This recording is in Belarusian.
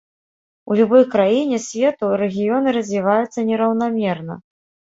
У любой краіне свету рэгіёны развіваюцца нераўнамерна.